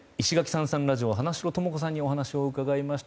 サンサンラジオの花城智子さんにお話を伺いました。